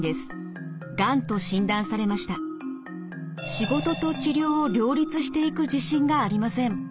仕事と治療を両立していく自信がありません。